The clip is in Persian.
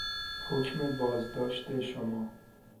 حکم بازداشت شما